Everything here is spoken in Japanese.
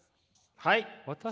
はい。